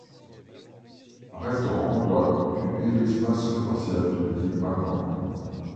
Un restaurant doit occuper l'espace commercial devenu vacant.